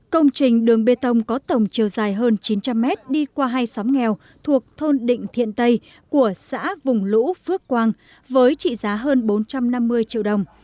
công trình đường bê tông có tổng chiều dài hơn chín trăm linh mét đi qua hai xóm nghèo thuộc thôn định thiện tây của xã vùng lũ phước quang với trị giá hơn bốn trăm năm mươi triệu đồng